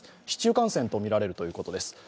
市中感染とみられるということです。